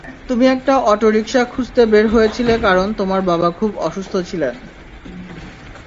তুমি একটা অটোরিকশা খুঁজতে বের হয়েছিলে কারণ তোমার বাবা খুব অসুস্থ ছিলেন।